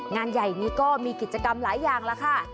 งานใหญ่นี้ก็มีกิจกรรมหลายอย่างแล้วค่ะ